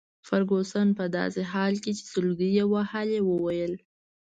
فرګوسن په داسي حال کي چي سلګۍ يې وهلې وویل.